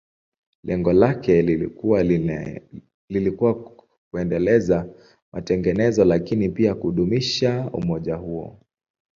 Lengo lake lilikuwa kuendeleza matengenezo, lakini pia kudumisha umoja huo.